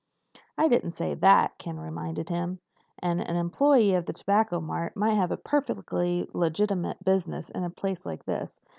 "I didn't say that," Ken reminded him. "And an employee of the Tobacco Mart might have perfectly legitimate business in a place like this.